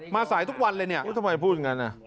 สายทุกวันเลยเนี่ยทำไมพูดอย่างนั้น